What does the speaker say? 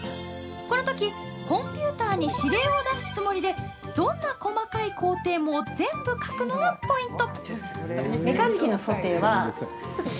このとき、コンピューターに指令を出すつもりでどんな細かい工程も全部書くのがポイント。